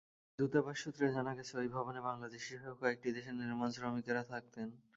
দূতাবাস সূত্রে জানা গেছে, ওই ভবনে বাংলাদেশিসহ কয়েকটি দেশের নির্মাণশ্রমিকেরা থাকতেন।